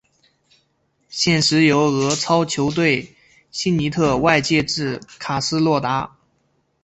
现时由俄超球队辛尼特外借至卡斯洛达。